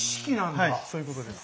はいそういうことです。